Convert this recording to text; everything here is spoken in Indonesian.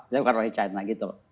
bukan oleh china gitu loh